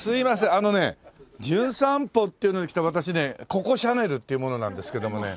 あのね『じゅん散歩』っていうので来た私ねココ・シャネルっていう者なんですけどもね。